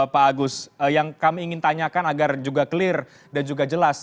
pak agus yang kami ingin tanyakan agar juga clear dan juga jelas